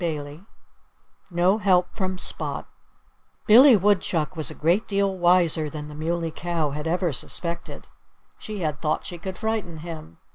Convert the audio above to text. XVII NO HELP FROM SPOT Billy Woodchuck was a great deal wiser than the Muley Cow had ever suspected. She had thought she could frighten him.